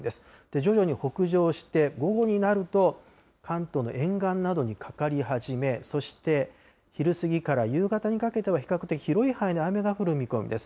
徐々に北上して、午後になると、関東の沿岸などにかかり始め、そして、昼過ぎから夕方にかけては比較的広い範囲で雨が降る見込みです。